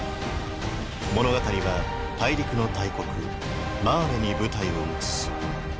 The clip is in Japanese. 物語は大陸の大国マーレに舞台を移す。